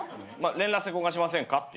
連絡先交換しませんかって。